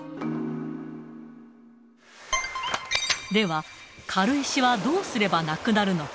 では、軽石はどうすればなくなるのか。